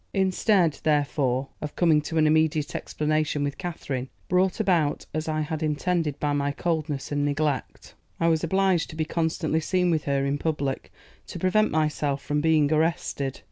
Instead, therefore, of coming to an immediate explanation with Katherine, brought about as I had intended by my coldness and neglect, I was obliged to be constantly seen with her in public, to prevent myself from being arrested.